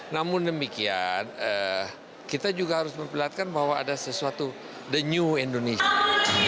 namun demikian kita juga harus memperlihatkan bahwa ada sesuatu the new indonesia